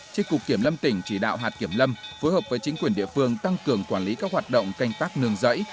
trên cục kiểm lâm tỉnh chỉ đạo hạt kiểm lâm phối hợp với chính quyền địa phương tăng cường quản lý các hoạt động canh tác nương rẫy